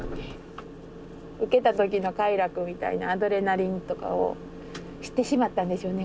ウケた時の快楽みたいなアドレナリンとかを知ってしまったんでしょうね